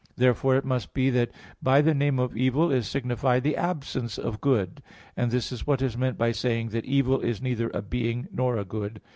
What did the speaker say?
Therefore it must be that by the name of evil is signified the absence of good. And this is what is meant by saying that "evil is neither a being nor a good."